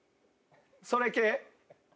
それ系？